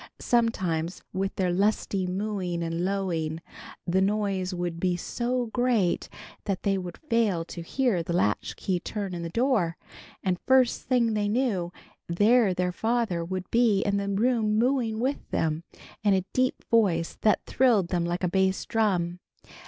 Sometimes with their lusty mooing and lowing the noise would be so great that they would fail to hear the latchkey turn in the door, and first thing they knew there their father would be in the room mooing with them, in a deep voice that thrilled them like a bass drum.